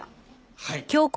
はい。